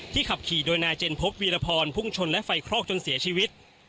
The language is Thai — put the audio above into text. ขับขี่โดยนายเจนพบวีรพรพุ่งชนและไฟคลอกจนเสียชีวิต